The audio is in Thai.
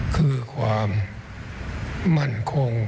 คือความมันที่สุขของชาติ